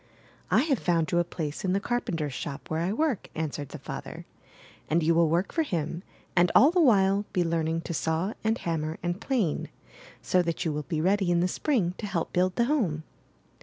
'T have found you a place in the carpenter's shop where I work," answered the father. *'And you will work for him, and all the while be learning to saw and hammer and plane, so that you will be ready' in the Spring to help build the home."